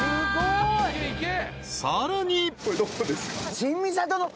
［さらに］